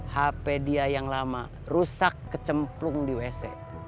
hp dia yang lama rusak kecemplung di wc